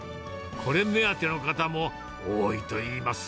これ目当ての方も多いといいます。